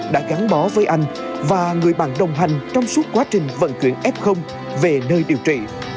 đã gắn bó với anh và người bạn đồng hành trong suốt quá trình vận chuyển f về nơi điều trị